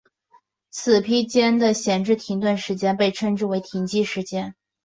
批次间的闲置停顿时间被称为停机时间。